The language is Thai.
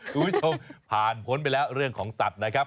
คุณผู้ชมผ่านพ้นไปแล้วเรื่องของสัตว์นะครับ